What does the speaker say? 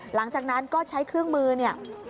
หลังจากนั้นก็ใช้เครื่องมือเนี่ย